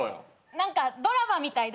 何かドラマみたいだね。